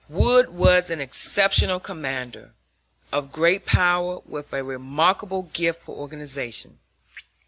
Wood was an exceptional commander, of great power, with a remarkable gift for organization.